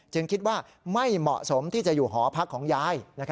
คิดว่าไม่เหมาะสมที่จะอยู่หอพักของยาย